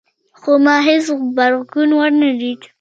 خو ما هیڅ غبرګون ونه لید